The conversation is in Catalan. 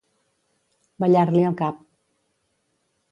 Ballar-li el cap.